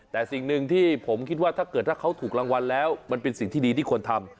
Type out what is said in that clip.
แต่สิ่งหนึ่งที่ผมคิดว่าถ้าเกิดถ้าเขาถูกรางวัลแล้วมันเป็นสิ่งที่ดีที่ควรทำ